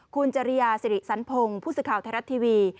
คุณจริยาสิริสันพงศ์ผู้สื่อข่าวไทยรัฐทีวี